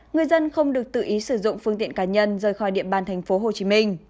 người dân không được tự ý sử dụng phương tiện cá nhân rời khỏi điện ban thành phố hồ chí minh